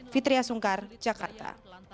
fitriah sungkar jakarta